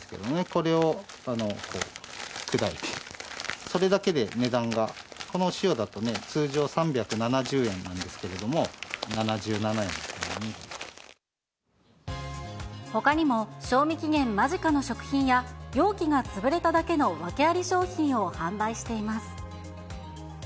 これを砕いて、それだけで値段が、このお塩だとね、通常３７０円なんですけれども、ほかにも賞味期限間近の食品や、容器が潰れただけの訳あり商品を販売しています。